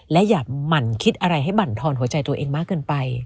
และอย่าหมั่นคิดอะไรให้บรรทอนหัวใจตัวเองมากเกินไป